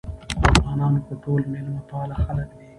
افغانان خو ټول مېلمه پاله خلک دي